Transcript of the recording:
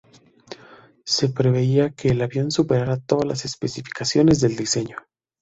Se preveía que el avión superara todas las especificaciones del diseño.